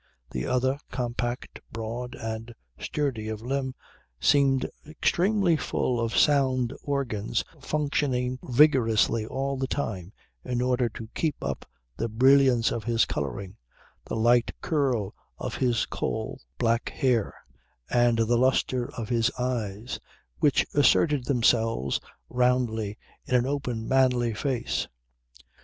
The other, compact, broad and sturdy of limb, seemed extremely full of sound organs functioning vigorously all the time in order to keep up the brilliance of his colouring, the light curl of his coal black hair and the lustre of his eyes, which asserted themselves roundly in an open, manly face.